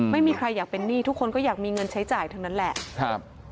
ไม่มีใครอยากเป็นหนี้ทุกคนก็อยากมีเงินใช้จ่ายทั้งนั้นแหละครับ